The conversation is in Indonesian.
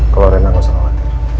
kalau arena gak usah khawatir